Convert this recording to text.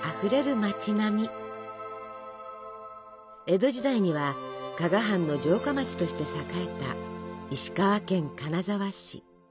江戸時代には加賀藩の城下町として栄えた石川県金沢市。